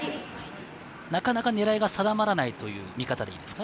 なかなか狙いが定まらないという見方でいいですか？